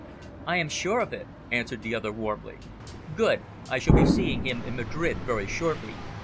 "I am sure of it," answered the other warmly. "Good! I shall be seeing him in Madrid very shortly.